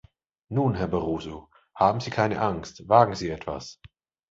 Nun, Herr Barroso, haben Sie keine Angst, wagen Sie etwas!